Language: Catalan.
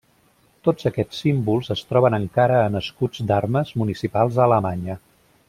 Tots aquests símbols es troben encara en escuts d’armes municipals a Alemanya.